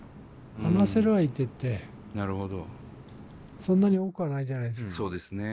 話せる相手ってそんなに多くはないじゃないですか。